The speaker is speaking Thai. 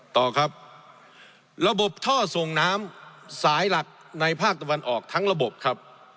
ต่อครับระบบท่อส่วนน้ำ